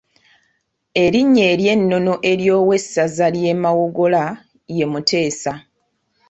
Erinnya ery’ennono ery’owessaza ly’e Mawogola ye Muteesa.